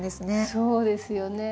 そうですよね。